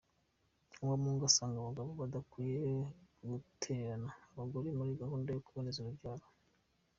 Uwamungu asanga abagabo badakwiye gutererana abagore muri gahunda yo kuboneza urubyaro.